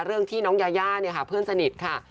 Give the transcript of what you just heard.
เรื่องที่น้องยาย่าเพื่อนสนิทค่ะ